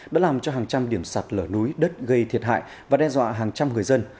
đã làm cho hàng trăm điểm sạt lở núi đất gây thiệt hại và đe dọa hàng trăm người dân